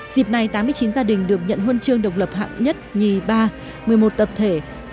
dịp này tám mươi chín gia đình được nhận huân chương độc lập hạng nhất nhì ba một mươi một tập thể